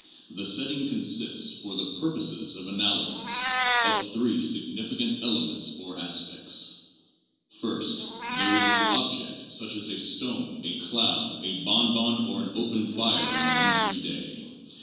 The setting consists, for the purposes of analysis, of three significant elements or aspects. First, there is the object such as a stone, a cloud, a bon bon, or an open fire on a wintry day.